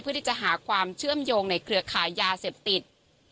เพื่อที่จะหาความเชื่อมโยงในเครือขายยาเสพติด